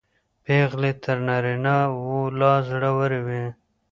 پېغلې تر نارینه و لا زړورې وې.